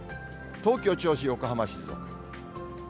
東京、銚子、横浜、静岡。